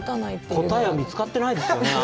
答えは見つかってないですよね。